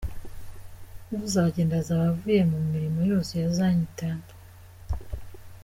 Uzagenda azaba avuye mu mirimo yose ya Zion Temple.